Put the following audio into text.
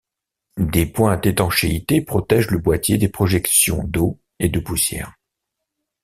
Des points d'étanchéité protègent le boîtier des projections d'eau et de poussière.